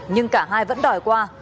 nhưng cả hai vẫn đòi qua